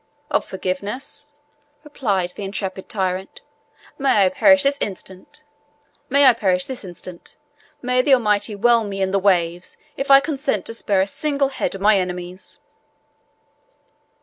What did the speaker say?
"Of forgiveness?" replied the intrepid tyrant: "may I perish this instant—may the Almighty whelm me in the waves—if I consent to spare a single head of my enemies!"